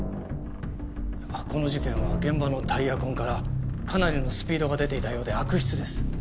この事件は現場のタイヤ痕からかなりのスピードが出ていたようで悪質です。